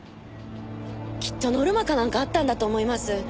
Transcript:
きっとノルマかなんかあったんだと思います。